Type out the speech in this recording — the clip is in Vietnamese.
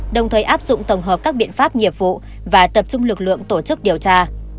đồng thời áp dụng tổng hợp các biện pháp nghiệp vụ và tập trung lực lượng tổ chức điều tra